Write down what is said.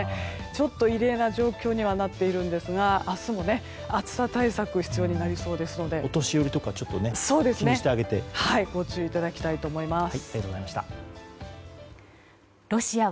異例な状況になっているんですが明日も暑さ対策が必要になりそうですのでご注意いただきたいと思います。